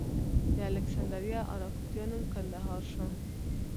د الکسندریه اراکوزیا نوم کندهار شو